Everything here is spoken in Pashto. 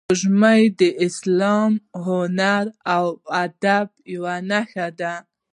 سپوږمۍ د اسلام، هنر او ادبیاتو یوه نښه ده